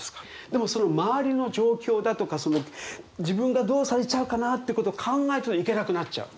でもその周りの状況だとか自分がどうされちゃうかなってことを考えると行けなくなっちゃう。